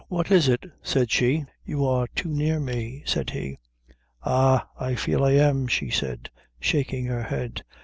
"What is it?" said she. "You are too near me," said he. "Ah, I feel I am," she said, shaking her head.